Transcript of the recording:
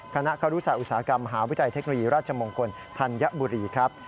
คณะครุศาสอุตสาหกรรมมหาวิทยาลัยเทคโนโลยีราชมงคลธัญบุรีครับ